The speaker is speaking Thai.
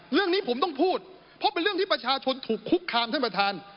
เรื่องนี้ผมต้องพูดเพราะเป็นเรื่องที่ประชาชนถูกคุกคามท่านประธาน